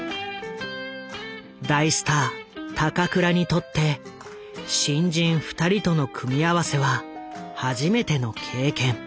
大スター高倉にとって新人２人との組み合わせは初めての経験。